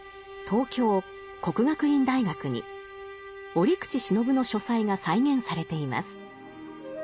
東京・國學院大學に折口信夫の書斎が再現されています。